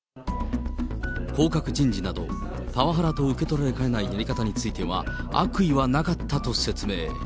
降格人事など、パワハラと受け取られかねないやり方については、悪意はなかったと説明。